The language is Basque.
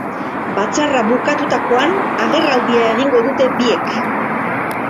Batzarra bukatutakoan, agerraldia egingo dute biek.